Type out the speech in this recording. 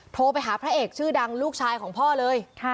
โทรไปหาพระเอกชื่อดังลูกชายของพ่อเลย